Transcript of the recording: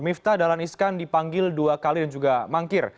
miftah dahlan iskan dipanggil dua kali dan juga mangkir